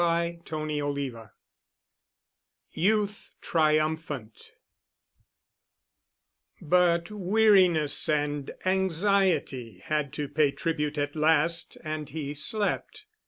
*CHAPTER VI* *YOUTH TRIUMPHANT* But weariness and anxiety had to pay tribute at last and he slept.